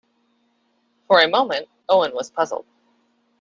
For a moment Owen was puzzled.